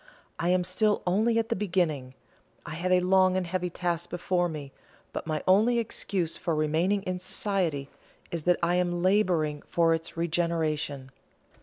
I am still only at the beginning. I have a long and heavy task before me; but my only excuse for remaining in society is that I am labouring for its regeneration."